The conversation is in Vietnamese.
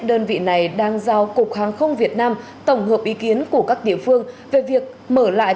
đơn vị này đang giao cục hàng không việt nam tổng hợp ý kiến của các địa phương về việc mở lại